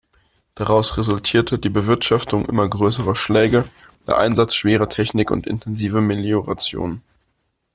Daraus resultierte die Bewirtschaftung immer größerer Schläge, der Einsatz schwerer Technik und intensive Melioration.